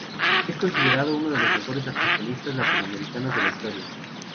Es considerado uno de los mejores saxofonistas latinoamericanos de la historia.